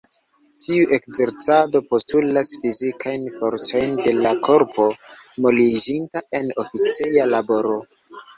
Tiu ekzercado postulas fizikajn fortojn de la korpo, moliĝinta en oficeja laboro.